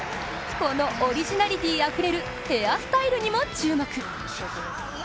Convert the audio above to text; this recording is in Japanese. このオリジナリティあふれるヘアスタイルにも注目。